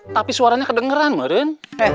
tapi suaranya kedengeran meren